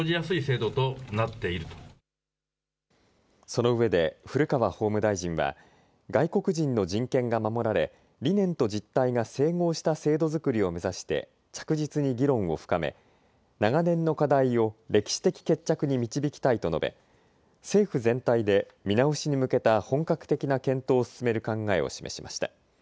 そのうえで古川法務大臣は外国人の人権が守られ、理念と実態が整合した制度作りを目指して着実に議論を深め長年の課題を歴史的決着に導きたいと述べ、政府全体で見直しに向けた本格的な検討を進める考えを示しました。